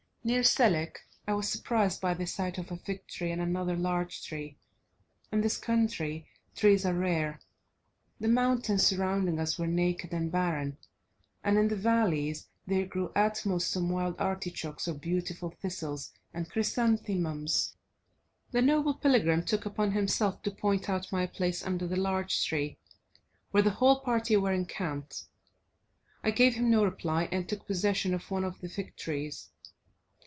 Near Selik I was surprised by the sight of a fig tree and another large tree. In this country trees are rare. The mountains surrounding us were naked and barren, and in the valleys there grew at most some wild artichokes or beautiful thistles and chrysanthemums. The noble pilgrim took upon himself to point out my place under the large tree, where the whole party were encamped. I gave him no reply, and took possession of one of the fig trees.